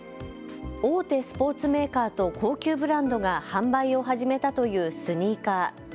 大手スポーツメーカーと高級ブランドが販売を始めたというスニーカー。